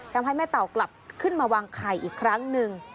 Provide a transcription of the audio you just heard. ทำให้แม่เต่ากลับขึ้นมาวางไข่อีกครั้งหนึ่ง